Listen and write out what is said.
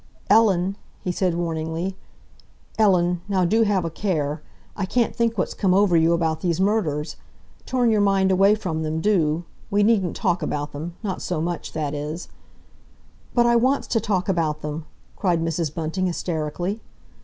"Ellen?" he said warningly, "Ellen, now do have a care! I can't think what's come over you about these murders. Turn your mind away from them, do! We needn't talk about them—not so much, that is—" "But I wants to talk about them," cried Mrs. Bunting hysterically.